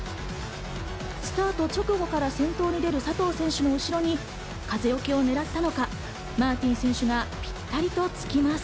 スタート直後から先頭に立つ佐藤選手のうしろに風よけをねらったのか、マーティン選手がぴったりと着きます。